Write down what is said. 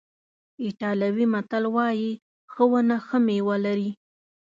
ایټالوي متل وایي ښه ونه ښه میوه لري.